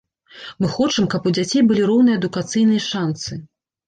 Мы хочам, каб у дзяцей былі роўныя адукацыйныя шанцы.